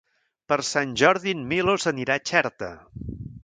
Per Sant Jordi en Milos anirà a Xerta.